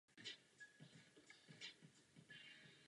Španělského a jeho manželky Marie Amálie Saské.